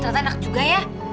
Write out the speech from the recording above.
ternyata anak juga ya